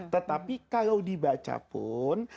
tetapi kalau dibaca pun